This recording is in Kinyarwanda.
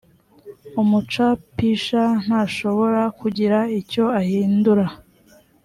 umucapisha ntashobora kugira icyo ahindura